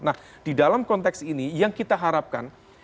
nah di dalam konteks ini yang kita harapkan